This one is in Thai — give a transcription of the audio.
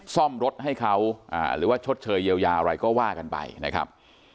ซ่อมรถให้เขาหรือว่าชดเชยเยียวยาอะไรก็ว่ากันไปนะครับ